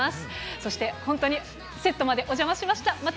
そして本当にセットまでお邪魔しました。